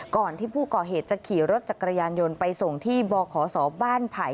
ก่อนที่ผู้ก่อเหตุจะขี่รถจักรยานยนต์ไปส่งที่บขศบ้านไผ่